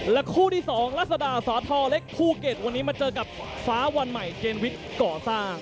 คู่ที่๒รัศดาสอเล็กภูเก็ตวันนี้มาเจอกับฟ้าวันใหม่เจนวิทย์ก่อสร้าง